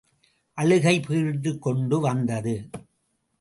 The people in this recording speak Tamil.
அழுகை பீறிட்டுக் கொண்டு வந்தது.